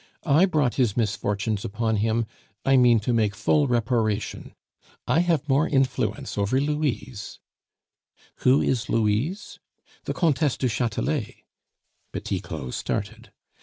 "I brought his misfortunes upon him; I mean to make full reparation. ... I have more influence over Louise " "Who is Louise?" "The Comtesse du Chatelet!" Petit Claud started.